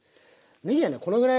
ねぎはねこのぐらい。